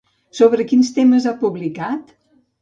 Sobre quins temes ha publicat?